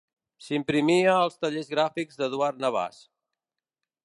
S'imprimia als Tallers Gràfics d'Eduard Navàs.